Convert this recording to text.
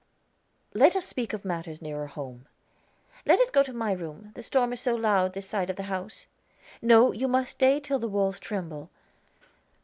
"Let us speak of matters nearer home." "Let us go to my room; the storm is so loud this side of the house." "No; you must stay till the walls tremble.